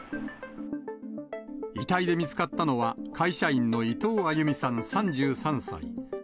遺体で見つかったのは、会社員の伊藤亜佑美さん３３歳。